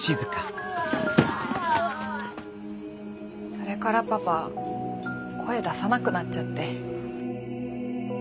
それからパパ声出さなくなっちゃって。